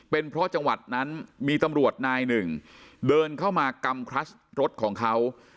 เป็นเพราะจังหวัดนั้นมีตำรวจนายหนึ่งเดินเข้ามากำคลัสรถของเขา